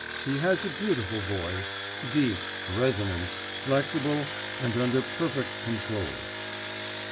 He has a beautiful voice, deep, resonant, flexible and under perfect control.